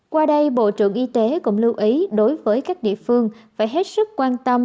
qua đây bộ trưởng y tế cũng lưu ý đối với các địa phương phải hết sức quan tâm